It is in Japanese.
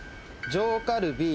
上カルビ。